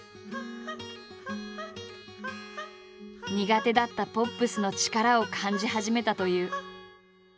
苦手だったポップスの力を感じ始めたという。